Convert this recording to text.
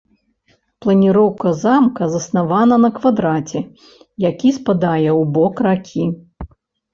Планіроўка замка заснавана на квадраце, які спадае ў бок ракі.